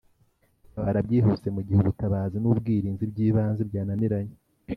Ritabara byihuse mu gihe ubutabazi n ubwirinzi by ibanze byananiranye